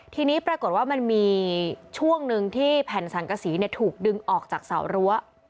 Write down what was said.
ทีนี้ปรากฏว่ามันมีช่วงหนึ่งที่แผ่นสังกษีถูกดึงออกจากเสารั้ว